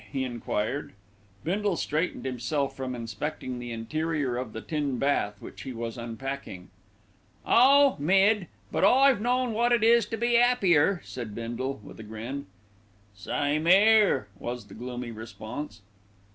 he enquired. Bindle straightened himself from inspecting the interior of the tin bath which he was unpacking. "Oh! mid; but I've known wot it is to be 'appier," said Bindle, with a grin. "Same 'ere," was the gloomy response.